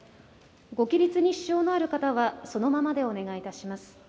ご起立に支障のある方はそのままでお願いいたします。